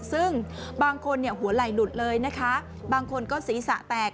ซึ่งบางคนเนี่ยหัวไหล่หลุดเลยนะคะบางคนก็ศีรษะแตก